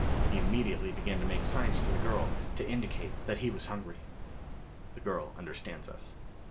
He immediately began to make signs to the girl to indicate that he was hungry. The Girl Understands Us.